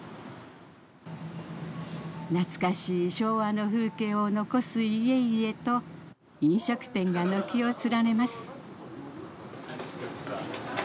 懐かしい昭和の風景を残す家々と飲食店が軒を連ねます。